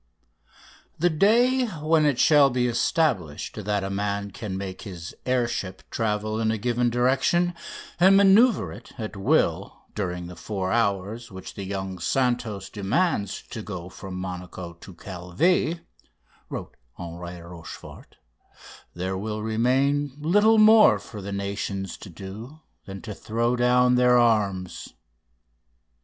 "The day when it shall be established that a man can make his air ship travel in a given direction and manoeuvre it at will during the four hours which the young Santos demands to go from Monaco to Calvi," wrote Henri Rochefort, "there will remain little more for the nations to do than to throw down their arms....